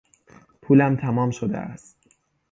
پولم تمام شده است.